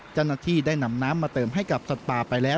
เจ้าหน้าที่ได้นำน้ำมาเติมให้กับสัตว์ป่าไปแล้ว